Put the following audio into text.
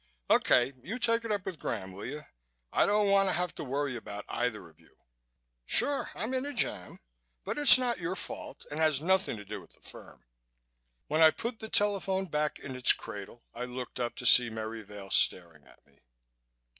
Okay, you take it up with Graham, will you? I don't want to have to worry about either of you.... Sure I'm in a jam but it's not your fault and has nothing to do with the firm...." When I put the telephone back in its cradle I looked up to see Merry Vail staring at me.